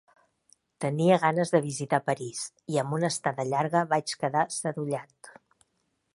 Tenia ganes de visitar París, i amb una estada llarga vaig quedar sadollat.